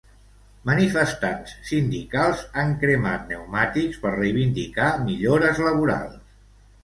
Manifestants sindicals han cremat pneumàtics per reivindicar millores laborals.